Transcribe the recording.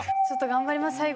ちょっと頑張ります。